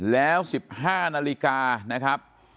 แล้ว๑๕นาฬิกานะครับ